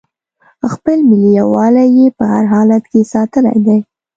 خپل ملي یووالی یې په هر حالت کې ساتلی دی.